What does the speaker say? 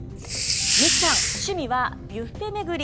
みきさん、趣味はビュッフェ巡り。